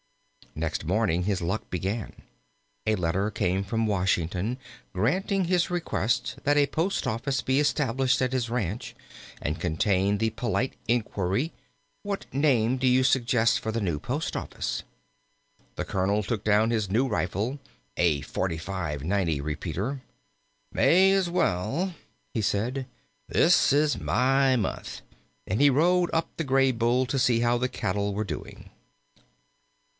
Next morning his luck began. A letter came from Washington granting his request that a post office be established at his ranch, and contained the polite inquiry, "What name do you suggest for the new post office?" The Colonel took down his new rifle, a 45 90 repeater. "May as well," he said; "this is my month"; and he rode up the Graybull to see how the cattle were doing.